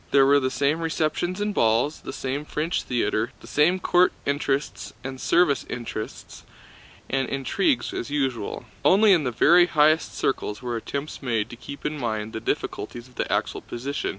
There were the same receptions and balls, the same French theater, the same court interests and service interests and intrigues as usual. Only in the very highest circles were attempts made to keep in mind the difficulties of the actual position.